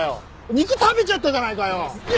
肉食べちゃったじゃないかよ！